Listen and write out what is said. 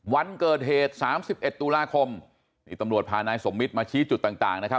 วันเกิดเหตุสามสิบเอ็ดตุลาคมนี่ตำรวจพานายสมมิตรมาชี้จุดต่างนะครับ